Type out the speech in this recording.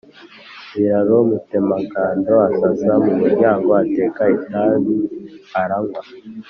Biraro Mutemangando asasa mu muryango, atekera itabi aranywa